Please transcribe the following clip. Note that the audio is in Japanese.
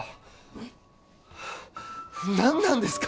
えっ？何なんですか？